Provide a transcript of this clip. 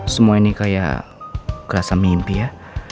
semua ini kayak kerasa mimpi ya